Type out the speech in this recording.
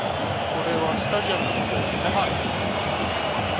これはスタジアムの方ですね。